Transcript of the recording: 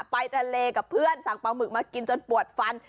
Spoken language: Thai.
ไปทะเลกับเพื่อนสั่งปลาหมึกมากินจนปวดฟัน